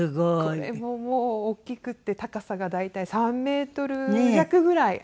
これももう大きくって高さが大体３メートル弱ぐらい。